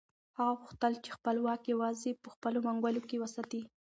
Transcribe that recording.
هغه غوښتل چې خپل واک یوازې په خپلو منګولو کې وساتي.